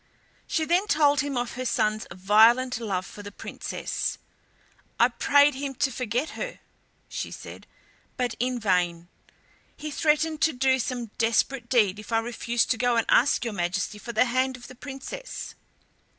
She then told him of her son's violent love for the Princess. "I prayed him to forget her," she said, "but in vain; he threatened to do some desperate deed if I refused to go and ask your Majesty for the hand of the Princess.